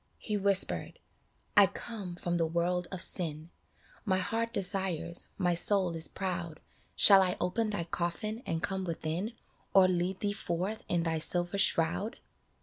He whispered, " I come from the world of sin ; My heart desires, my soul is proud ; Shall I open thy coffin and come within, Or lead thee forth in thy silver shroud